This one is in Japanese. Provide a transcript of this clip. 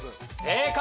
正解！